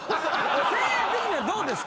せいや的にはどうですか？